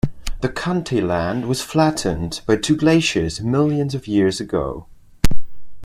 The county land was flattened by two glaciers millions of years ago.